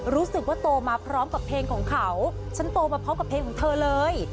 รู้สึกว่าโตมาพร้อมกับเพลงของเขาฉันโตมาพร้อมกับเพลงของเธอเลย